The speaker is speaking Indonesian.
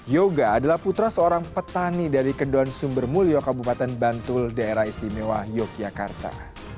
yoga adalah putra seorang petani dari kedon sumber mulyo kabupaten bantul daerah istimewa yogyakarta